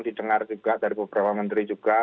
didengar juga dari beberapa menteri juga